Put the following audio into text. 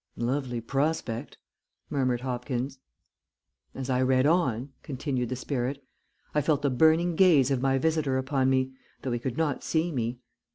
"Lovely prospect," murmured Hopkins. "As I read on," continued the spirit, "I felt the burning gaze of my visitor upon me, though he could not see me.